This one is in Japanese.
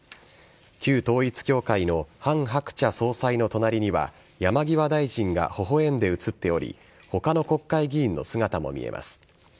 旧統一教会のハン・ハクチャ総裁の隣には山際大臣がほほ笑んで写っており他の国会議員の姿も見えます。